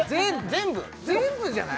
全部じゃない？